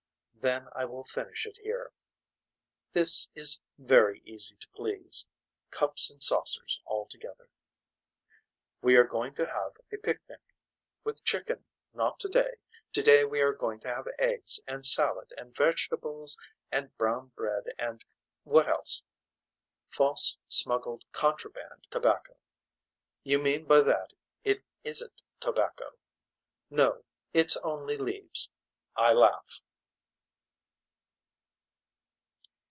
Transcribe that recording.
Then I will finish it here. This is very easy to please. Cups and saucers altogether. We are going to have a picnic. With chicken not today today we are going to have eggs and salad and vegetables and brown bread and what else. False smuggled contraband tobacco. You mean by that that it isn't tobacco. No it's only leaves. I laugh.